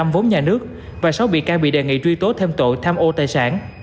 một trăm linh vốn nhà nước và sáu bị can bị đề nghị truy tố thêm tội tham ô tài sản